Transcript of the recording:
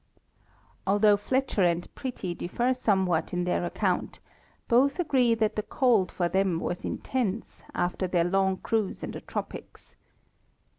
Although Fletcher and Pretty differ somewhat in their account, both agree that the cold for them was intense, after their long cruise in the tropics.